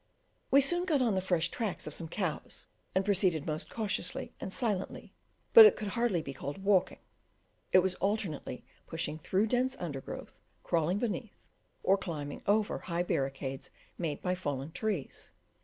We soon got on the fresh tracks of some cows, and proceeded most cautiously and silently; but it could hardly be called walking, it was alternately pushing through dense undergrowth, crawling beneath, or climbing over, high barricades made by fallen trees.